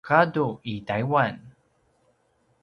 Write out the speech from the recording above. gadu i Taiwan